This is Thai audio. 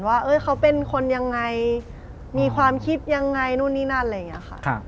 ว่าเขาเป็นคนยังไงมีความคิดยังไงนู่นนี่นั่นอะไรอย่างนี้ค่ะ